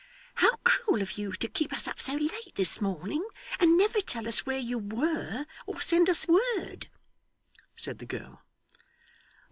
'How cruel of you to keep us up so late this morning, and never tell us where you were, or send us word!' said the girl.